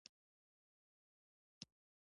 افغانستان دودیز هېواد دی.